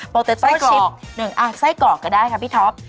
โปรเต้โต้ชิป๑ไส้กอกก็ได้ครับพี่ท็อป